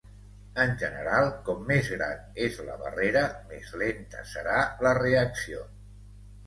En general, com més gran és la barrera, més lenta serà la reacció.